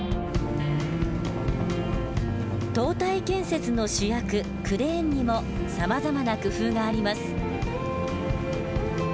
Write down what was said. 塔体建設の主役クレーンにもさまざまな工夫があります。